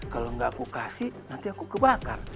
kalau nggak aku kasih nanti aku kebakar